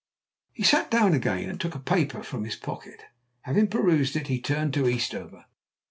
He sat down again and took a paper from his pocket. Having perused it, he turned to Eastover.